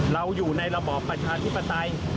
เราอยู่ในระบอบประชาธิปไตย